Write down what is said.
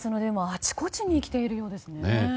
あちこちに来ているようですね。